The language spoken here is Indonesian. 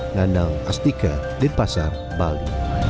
nganal astika di pasar bali